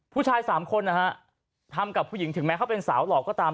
ผู้ชายสามคนนะฮะทำกับผู้หญิงถึงแม้เขาเป็นสาวหลอกก็ตาม